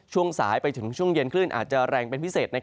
ช่วงสายไปถึงช่วงเย็นคลื่นอาจจะแรงเป็นพิเศษ